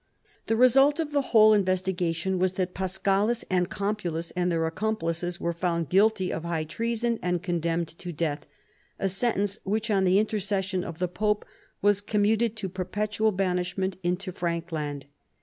The result of the whole investigation was that Paschalis and Campulus and their accomplices were found guilty of high treason and condemned to death, a sentence which, on the intercession of the pope, was commuted to perpetual banishment into Frank land.